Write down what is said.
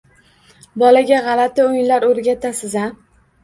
Bolaga g‘alati o‘yinlar o‘rgatasiz-a?